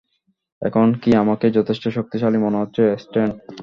এখন কি আমাকে যথেষ্ট শক্তিশালী মনে হচ্ছে, স্ট্যান?